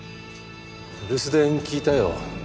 留守電聞いたよ。